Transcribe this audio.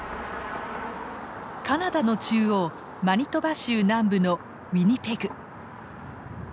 カナダの中央マニトバ州南部のウィニペグ。